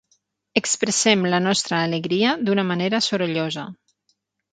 Expressem la nostra alegria d'una manera sorollosa.